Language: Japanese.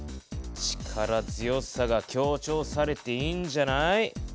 力強さが強調されていいんじゃない？